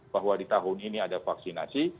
bahwa di tahun ini ada vaksinasi